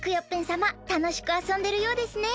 さまたのしくあそんでるようですね。